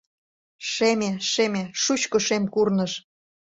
Шеме, шеме, шучко шем курныж!